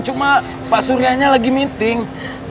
cuma pak suryanya lagi meeting